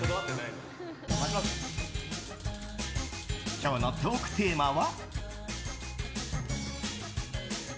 今日のトークテーマは？